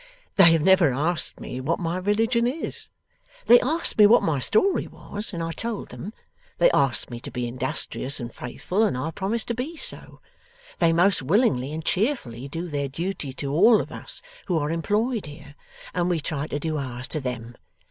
'They have never asked me what my religion is. They asked me what my story was, and I told them. They asked me to be industrious and faithful, and I promised to be so. They most willingly and cheerfully do their duty to all of us who are employed here, and we try to do ours to them.